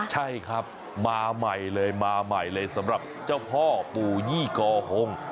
ใช่ครับมาใหม่เลยมาใหม่เลยสำหรับเจ้าพ่อปู่ยี่กอฮง